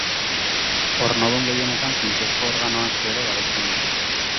Ornodun gehienetan funtsezko organo asko ere babesten ditu.